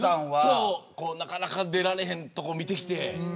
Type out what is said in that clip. なかなか出られへんところ見てきて。